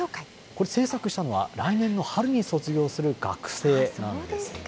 これ、制作したのは来年の春に卒業する学生なんです。